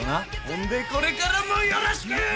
ほんでこれからもよろしくー！